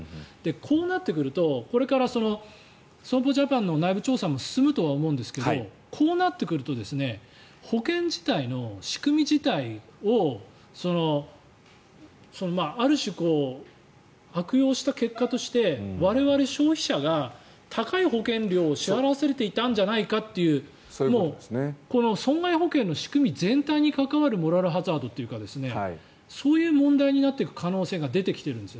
こうなってくると、これから損保ジャパンの内部調査も進むとは思うんですけどこうなってくると保険自体の仕組み自体をある種、悪用した結果として我々消費者が高い保険料を支払わされていたんじゃないかというこの損害保険の仕組み全体に関わるモラルハザードというかそういう問題になってくる可能性が出てくるんです。